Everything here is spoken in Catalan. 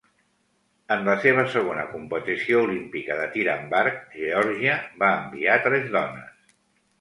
En la seva segona competició olímpica de tir amb arc, Geòrgia va enviar tres dones.